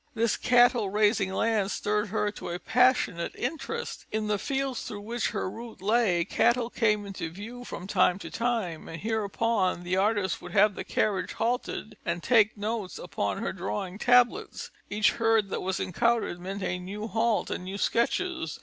This cattle raising land stirred her to a passionate interest. In the fields through which her route lay cattle came into view from time to time; and hereupon the artist would have the carriage halted, and take notes upon her drawing tablets. Each herd that was encountered meant a new halt and new sketches.